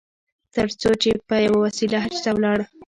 تر څو چې په یوه وسیله حج ته ولاړ.